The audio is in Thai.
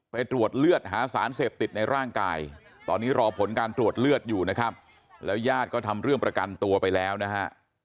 ไปตรวจเลือดหาสารเสพติดในร่างกายตอนนี้รอผลการตรวจเลือดอยู่นะครับแล้วญาติก็ทำเรื่องประกันตัวไปแล้วนะฮะ